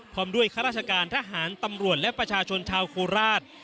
พร้อมด้วยข้าราชการทหารตำรวจและประชาชนชาวโคราช